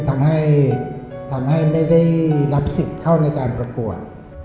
ทำให้ทำให้ไม่ได้รับสิทธิ์เข้าในการประกวด